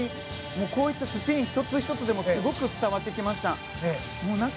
こういったスピン１つ１つでもすごく伝わってきました。